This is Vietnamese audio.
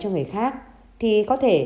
cho người khác thì có thể